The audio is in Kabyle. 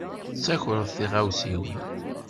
Ttakren tiɣawsiwin.